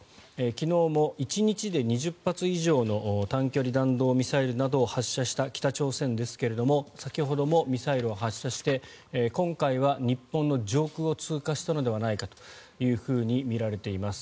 昨日も１日で２０発以上の単距離弾道ミサイルなどを発射した北朝鮮ですが先ほどもミサイルを発射して今回は日本の上空を通過したのではないかというふうにみられています。